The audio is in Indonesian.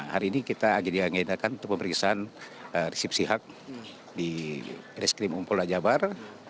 hari ini kita agendanya mengendalikan untuk pemeriksaan resipsi hak di reskrim polda jabar